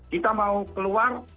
kita mau keluar